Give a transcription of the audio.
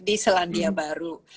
di selandia baru